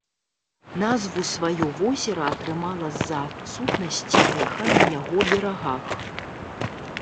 Назву сваю возера атрымала з-за адсутнасці рэха на яго берагах.